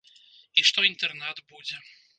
І што інтэрнат будзе.